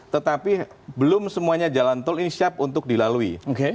tetapi belum semuanya jalan tol ini siap untuk dilalui